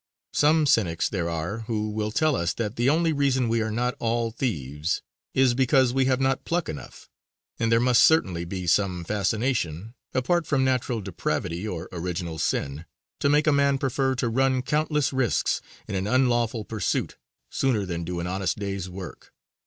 Some cynics there are who will tell us that the only reason we are not all thieves is because we have not pluck enough; and there must certainly be some fascination, apart from natural depravity or original sin, to make a man prefer to run countless risks in an unlawful pursuit sooner than do an honest day's work.